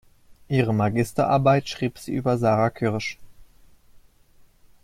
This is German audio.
Ihre Magisterarbeit schrieb sie über Sarah Kirsch.